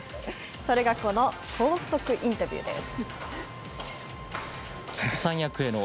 それがこの高速インタビューです。